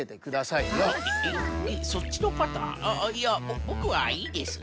いやボクはいいです。